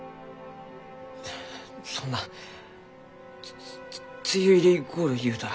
そんな梅雨入り頃言うたら。